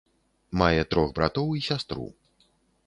Мае трох братоў і сястру.